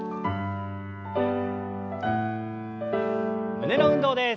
胸の運動です。